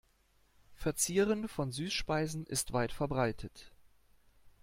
Verzieren von Süßspeisen ist weit verbreitet.